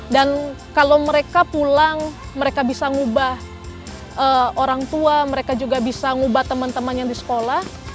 dan kalau mereka pulang mereka bisa ngubah orang tua mereka juga bisa ngubah teman teman yang di sekolah